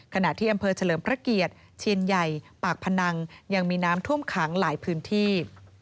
ขณะที่อำเภอเฉลิมพระเกียรติเชียนใหญ่ปากพนังยังมีน้ำท่วมขังหลายพื้นที่